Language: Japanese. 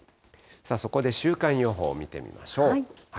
そこで週間予報を見てみましょう。